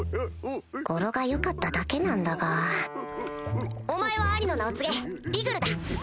語呂が良かっただけなんだがお前は兄の名を継げ「リグル」だ！